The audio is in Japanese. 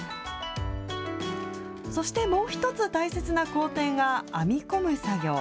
そしてもう１つ大切な工程が編み込む作業。